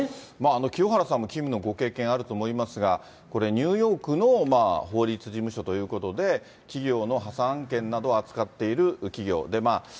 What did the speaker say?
清原さんも勤務のご経験があると思いますが、これ、ニューヨークの法律事務所ということで、企業の破産案件などを扱っている企業。